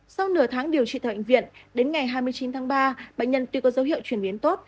sau nửa tháng điều trị tại bệnh viện đến ngày hai mươi chín tháng ba bệnh nhân tuy có dấu hiệu chuyển biến tốt